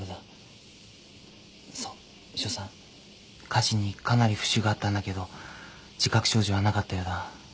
下肢にかなり浮腫があったんだけど自覚症状はなかったようだ。